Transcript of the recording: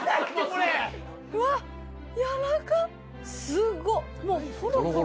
すごっ。